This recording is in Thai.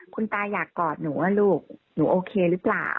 คุณตาอยากกอดหนูว่าลูกหนูโอเคหรือเปล่า